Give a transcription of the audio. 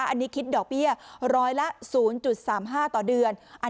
อันนี้คิดดอกเบี้ยร้อยละ๐๓๕ต่อเดือน